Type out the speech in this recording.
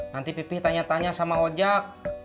nanti pipih tanya tanya sama ojek